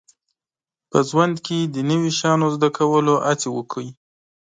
په ژوند کې د نوي شیانو زده کولو هڅې وکړئ